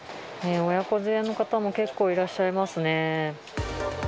親子連れの方も結構いらっしゃいますね。